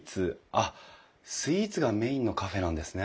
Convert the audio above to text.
あっスイーツがメインのカフェなんですね。